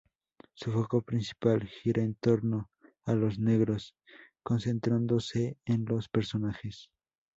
Su foco principal gira en torno a los negros, concentrándose en los personajes.